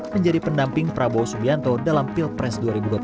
menjadi pendamping prabowo subianto dalam pilpres dua ribu dua puluh